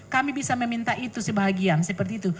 kami bisa meminta itu sebahagian seperti itu